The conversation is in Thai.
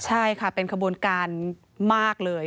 ใช่ค่ะเป็นขบวนการมากเลย